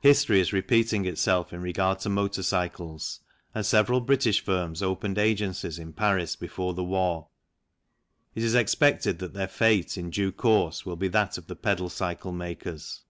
History is repeating itself in regard to motor cycles, and several British firms opened agencies in Paris before the war. It is expected that their fate, in due course, will be that of the pedal cycle makers.